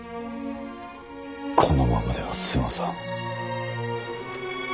このままでは済まさん。